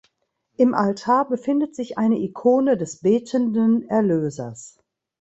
Im Altar befindet sich eine Ikone des Betenden Erlösers.